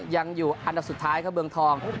ยังอยู่อันดับสุดท้ายครับเมืองทอง